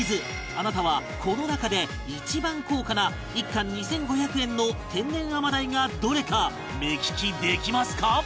あなたはこの中で一番高価な１貫２５００円の天然アマダイがどれか目利きできますか？